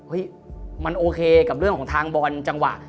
มันโอเคกับเรื่องของทางบอลจังหวะ